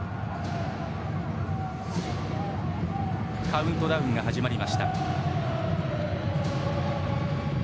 カウントダウンが始まりました。